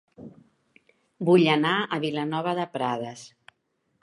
Vull anar a Vilanova de Prades